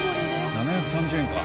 ７３０円か。